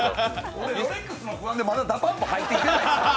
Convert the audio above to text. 俺、ロレックスが不安で、まだＤＡＰＵＭＰ入ってこない。